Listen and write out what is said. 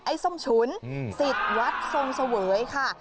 ส้มฉุนสิทธิ์วัดทรงเสวยค่ะ